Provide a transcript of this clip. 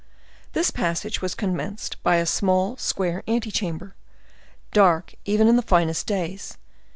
This passage was commenced by a small square ante chamber, dark even in the finest days.